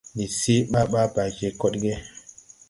Ndi see ɓaa ɓaa bay je koɗge.